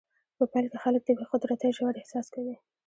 په پیل کې خلک د بې قدرتۍ ژور احساس کوي.